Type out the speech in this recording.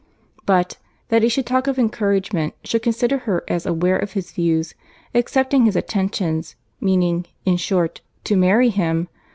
But—that he should talk of encouragement, should consider her as aware of his views, accepting his attentions, meaning (in short), to marry him!